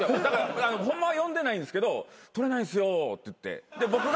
ホンマは呼んでないんですけど取れないんですよって言って。